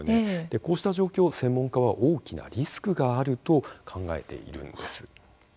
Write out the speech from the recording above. こうした状況を専門家は大きなリスクがあると考えているんです。